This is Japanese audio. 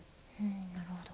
なるほど。